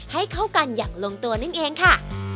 ให้เข้ากันอย่างลงตัวนั่นเองค่ะ